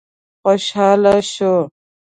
خوشاله شو.